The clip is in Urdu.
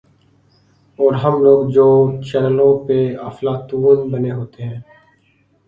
اورہم لوگ جو چینلوں پہ افلاطون بنے ہوتے ہیں۔